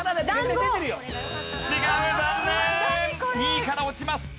２位から落ちます。